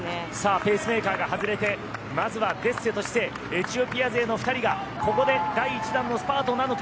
ペースメーカーが外れてまずはデッセとシセイエチオピア勢の２人がここで第１弾のスパートなのか。